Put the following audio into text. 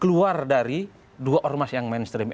keluar dari dua ormas yang mainstream